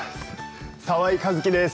澤井一希です。